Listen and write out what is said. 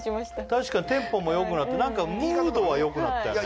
確かにテンポもよくなって何かムードはよくなったよね